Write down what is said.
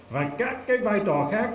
và các cái vai trò khác